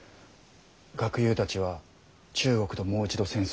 学友たちは「中国ともう一度戦争しろ。